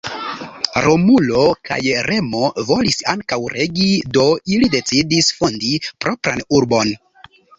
Romulo kaj Remo volis ankaŭ regi, do ili decidis fondi propran urbon.